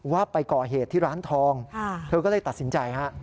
ว่าไปก่อเหตุที่ร้านทองเธอก็เลยตัดสินใจฮะ